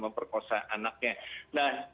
memperkosa anaknya nah